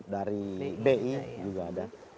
dari bi juga ada